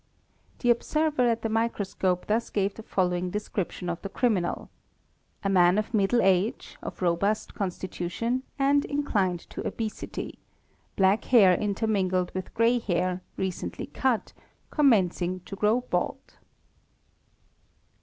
The observer at the microscope thus gave the following description of the criminal :—"'A man of middle age, of robust constitution, and inclined to obesity: black hair intermingled with grey hair, recently cut; commencing to grow bald."